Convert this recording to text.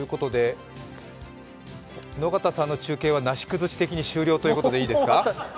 野方さんの中継はなし崩し的に終了ということでいいですか？